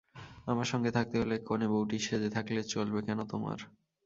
আমার সঙ্গে থাকতে হলে কনেবৌটি সেজে থাকলে চলবে কেন তোমার?